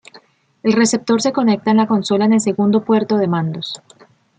El receptor se conecta en la consola en el segundo puerto de mandos.